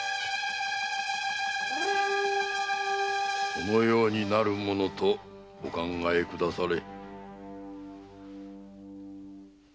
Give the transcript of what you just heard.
このようになるものとお考えくだされ。